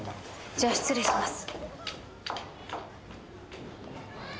じゃあ失礼します。